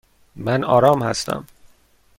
من آرام هستم.